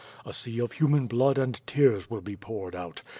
A sea of human blood and tears will be poured out.